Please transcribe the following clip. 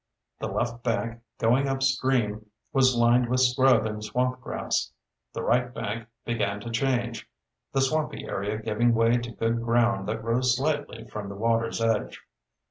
The left bank, going upstream, was lined with scrub and swamp grass. The right bank began to change, the swampy area giving way to good ground that rose slightly from the water's edge.